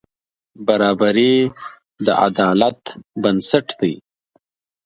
برابري د عدالت بنسټ دی.